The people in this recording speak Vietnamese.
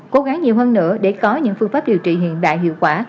cố gắng nhiều hơn nữa để có những phương pháp điều trị hiện đại hiệu quả